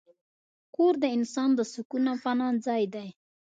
کور د انسان د سکون او پناه ځای دی.